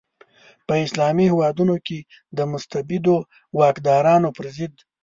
په اسلامي هیوادونو کې د مستبدو واکدارانو پر ضد.